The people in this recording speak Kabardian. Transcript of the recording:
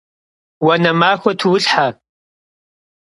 Vuane maxue tuulhhe!